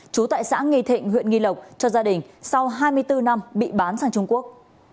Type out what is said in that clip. trú tại xã nghi thịnh huyện nghi lộc cho gia đình sau hai mươi bốn năm bị bán sang trung quốc